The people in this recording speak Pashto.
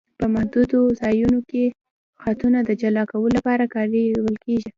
په محدودو ځایونو کې خطونه د جلا کولو لپاره کارول کیږي